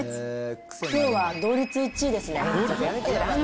きょうは同率１位ですね。